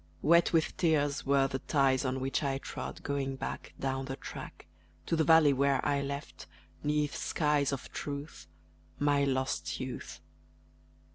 Wet with tears Were the ties on which I trod, going back Down the track To the valley where I left, 'neath skies of Truth, My lost youth.